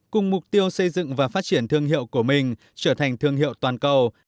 cùng mục tiêu xây dựng và phát triển thương hiệu của mình trở thành thương hiệu toàn cầu